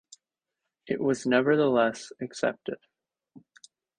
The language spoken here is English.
It was nevertheless accepted.